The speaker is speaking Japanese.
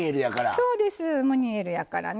そうですムニエルやからね